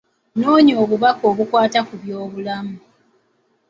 Noonya obubaka obukwata ku by'obulamu.